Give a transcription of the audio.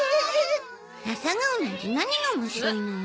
アサガオなんて何が面白いのよ。